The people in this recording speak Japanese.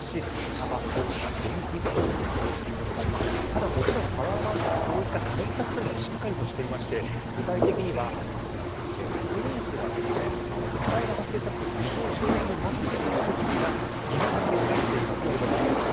ただ、もちろんタワーマンションこういった対策はしっかりとしていて具体的にはスプリンクラー火災が発生したときに自動的に水をまく設備が義務付けられています。